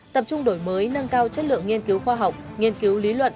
tập trung đổi mới nâng cao chất lượng nghiên cứu khoa học nghiên cứu lý luận